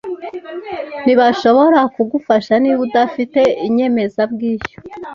Ntibashobora kugufasha niba udafite inyemezabwishyu.